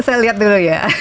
saya liat dulu ya